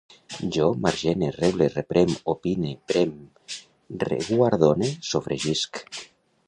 Jo margene, reble, reprem, opine, prem, reguardone, sofregisc